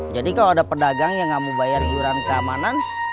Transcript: jadi kalau ada pedagang yang enggak mau bayar yoran keamanan